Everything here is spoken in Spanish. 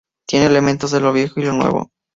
Tiene elementos de lo viejo y lo nuevo".